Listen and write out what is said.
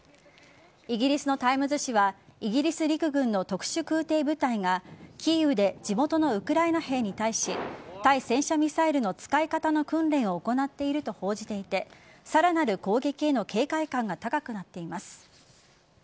イギリスのタイムズ紙はイギリス陸軍の特殊空挺部隊がキーウで地元のウクライナ兵に対し対戦車ミサイルの使い方の訓練を行っていると報じていてさらなる攻撃への警戒感が高くなっています。